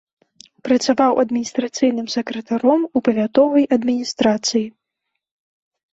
Працаваў адміністрацыйным сакратаром у павятовай адміністрацыі.